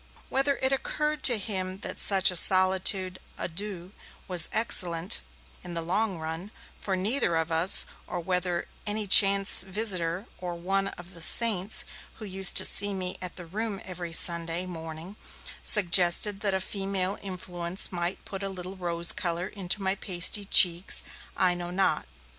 Whether it occurred to himself that such a solitude a deux was excellent, in the long run, for neither of us, or whether any chance visitor or one of the 'Saints', who used to see me at the Room every Sunday morning, suggested that a female influence might put a little rose colour into my pasty cheeks, I know not.